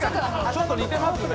ちょっと似てますね。